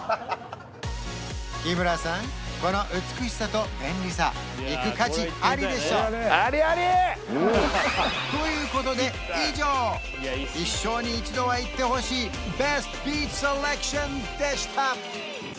日村さんこの美しさと便利さ行く価値ありでしょ？ということで以上一生に一度は行ってほしいベストビーチセレクションでした！